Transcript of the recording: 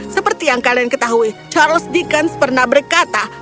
seperti yang kalian ketahui charles deacons pernah berkata